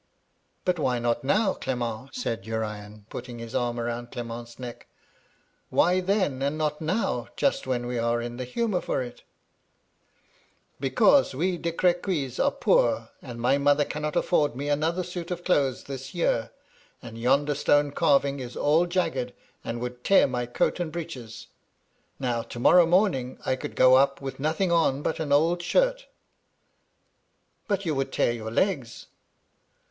* But why not now, Clement? said Urian, putting his arm round Client's neck. *Why then, and not now, just when we are in the humour for it ?'* Be MY LADY LUDLOW. 99 cause we De Cr6][uy8 are poor, and my mother camiot afford me anoth^ suit of clothes this year, and yonder stone carving is all jagged, and would tear my coat and breeches. Now, to morrow morning I could go up with nothing on but an old shirt' ^* But you would tear your legs